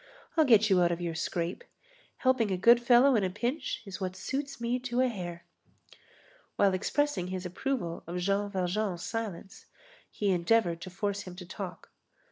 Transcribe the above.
I'll get you out of your scrape. Helping a good fellow in a pinch is what suits me to a hair." While expressing his approval of Jean Valjean's silence, he endeavored to force him to talk.